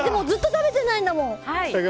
ずっと食べてないんだもん。